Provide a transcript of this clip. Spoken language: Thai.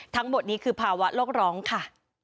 ทั้งหมดนี้คือภาวะโลกร้องค่ะ